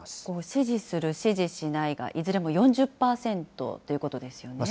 支持する、支持しないがいずれも４０％ということですよね。